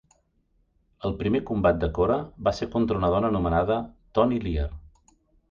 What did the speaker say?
El primer combat de Cora va ser contra una dona anomenada Toni Lear.